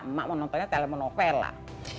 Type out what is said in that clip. emak mau nontonnya telepon novel lah